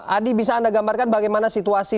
adi bisa anda gambarkan bagaimana situasi